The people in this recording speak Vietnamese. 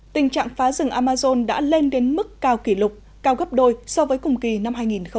tình trạng phá rừng amazon đã lên đến mức cao kỷ lục cao gấp đôi so với cùng kỳ năm hai nghìn một mươi tám